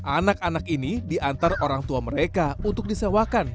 anak anak ini diantar orang tua mereka untuk disewakan